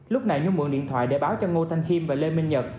lúc này nhung mượn điện thoại để báo cho ngô thanh khiêm và lê minh nhật